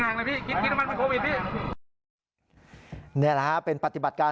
นี่แหละครับเป็นปฏิบัติการ